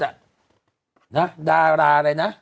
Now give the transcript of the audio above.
นะคะดาราอะไรน่ะ